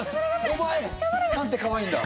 お前なんてかわいいんだ。